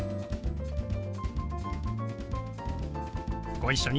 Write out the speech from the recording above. ご一緒に。